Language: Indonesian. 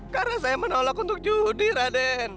karena saya menolak untuk judi raden